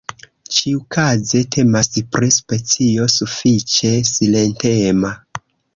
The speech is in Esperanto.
Ĉiukaze temas pri specio sufiĉe silentema.